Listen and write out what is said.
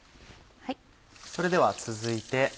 それでは続いて。